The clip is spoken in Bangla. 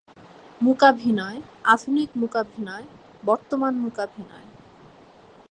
মূকাভিনয়, আধুনিক মূকাভিনয়, বর্তমান মূকাভিনয়।